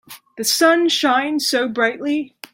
The sun shines so brightly.